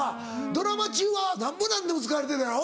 ドラマ中はなんぼ何でも疲れてるやろ？